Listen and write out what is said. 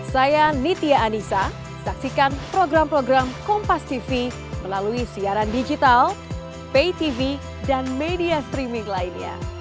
saya nitya anissa saksikan program program kompastv melalui siaran digital paytv dan media streaming lainnya